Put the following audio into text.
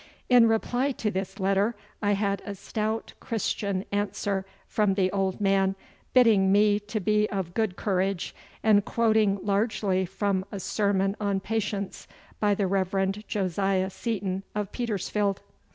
In reply to this letter I had a stout Christian answer from the old man, bidding me to be of good courage, and quoting largely from a sermon on patience by the Reverend Josiah Seaton of Petersfield.